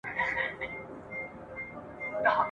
جهاني کله به ږغ سي چي راځه وطن دي خپل دی ..